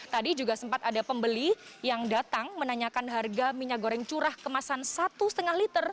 tadi juga sempat ada pembeli yang datang menanyakan harga minyak goreng curah kemasan satu lima liter